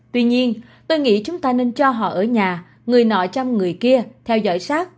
tuy nhiên tôi nghĩ chúng ta nên cho họ ở nhà người nọ chăm người kia theo dõi sát